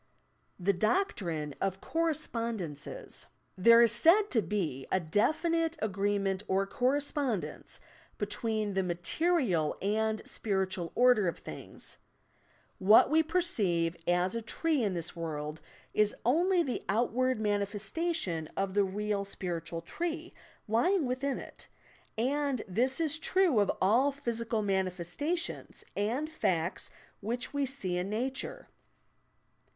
THE DOCTRINE OP "COKKESPONDENCES" There is said to be a definite agreement or correspond ence between the material and spiritual order of things. What we perceive as a tree in this world is only the out ward manifestation of the real spiritual tree lying within it, and this is true of all physical manifestations and facts which we see in nature.